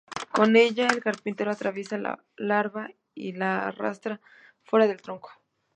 Con ella el carpintero atraviesa la larva y la arrastra fuera del tronco.